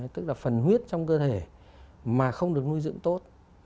tức là phần huyết trong cơ thể mà không được nuôi dưỡng tốt